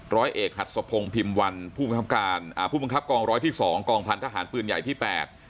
ร้อยเอกหัดสะพงพิมพ์วันผู้บังคับการอ่าผู้บังคับกองร้อยที่สองกองพันธหารปืนใหญ่ที่แปด